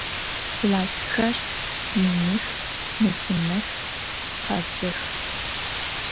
Klassxer yinıx, nefınex, khabzex.